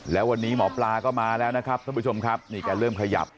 แล้ววันนี้หมอปลาก็มาแล้วนะครับท่านผู้ชมครับนี่แกเริ่มขยับ